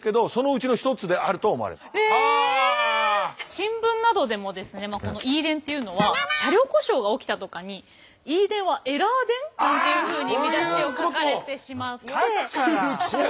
新聞などでもですねＥ電っていうのは車両故障が起きたとかに「Ｅ電はエラー電？！」というふうに見出しを書かれてしまって。